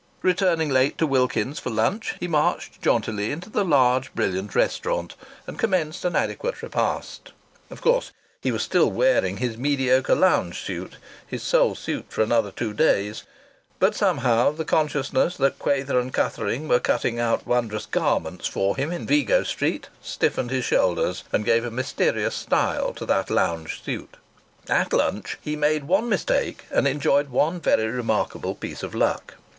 Returning late to Wilkins's for lunch he marched jauntily into the large brilliant restaurant and commenced an adequate repast. Of course he was still wearing his mediocre lounge suit (his sole suit for another two days), but somehow the consciousness that Quayther & Cuthering were cutting out wondrous garments for him in Vigo Street stiffened his shoulders and gave a mysterious style to that lounge suit. At lunch he made one mistake and enjoyed one very remarkable piece of luck.